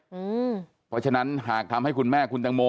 เพราะฉะนั้นหากทำให้คุณแม่คุณตังโม